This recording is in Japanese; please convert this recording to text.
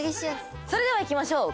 それではいきましょう！